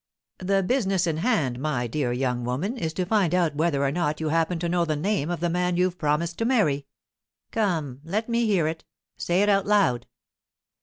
'The business in hand, my dear young woman, is to find out whether or not you happen to know the name of the man you've promised to marry. Come, let me hear it; say it out loud.